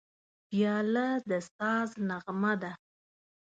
پیاله د ساز نغمه ده.